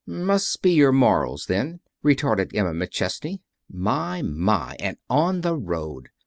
"Must be your morals then," retorted Emma McChesney. "My! My! And on the road!